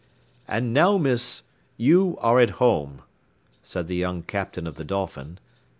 "And now, miss, you are at home," said the young Captain of the Dolphin.